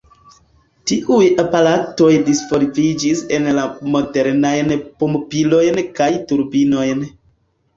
Tiuj aparatoj disvolviĝis en la modernajn pumpilojn kaj turbinojn.